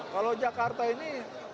kalau jakarta ini